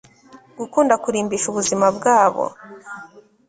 gukunda kurimbisha ubuzima bwabo